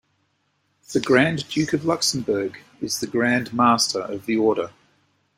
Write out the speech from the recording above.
The Grand Duke of Luxembourg is the Grand Master of the Order.